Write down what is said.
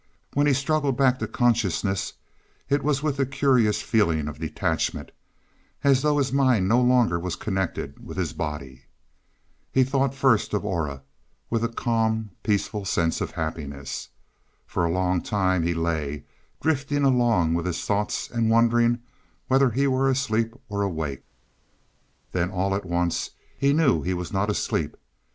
When he struggled back to consciousness it was with a curious feeling of detachment, as though his mind no longer was connected with his body. He thought first of Aura, with a calm peaceful sense of happiness. For a long time he lay, drifting along with his thoughts and wondering whether he were asleep or awake. Then all at once he knew he was not asleep.